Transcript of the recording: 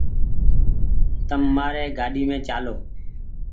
تم مآر گآڏي مين چآلو ۔